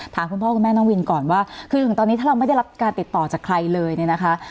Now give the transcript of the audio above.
คุณพ่อคุณแม่น้องวินก่อนว่าคือถึงตอนนี้ถ้าเราไม่ได้รับการติดต่อจากใครเลยเนี่ยนะคะ